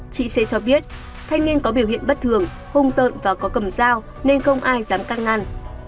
chị xê cho biết thanh niên có biểu hiện bất thường hung tợn và có cầm dao nên không ai dám căng ngăn